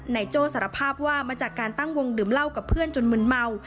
โจ้สารภาพว่ามาจากการตั้งวงดื่มเหล้ากับเพื่อนจนมึนเมา